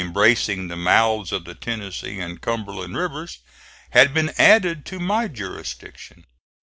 Smith, embracing the mouths of the Tennessee and Cumberland rivers, had been added to my jurisdiction.